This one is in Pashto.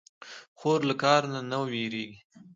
خور له کار نه نه وېرېږي.